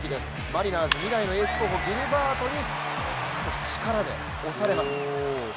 マリナーズ、未来のエース候補ギルバートに少し力で押されます。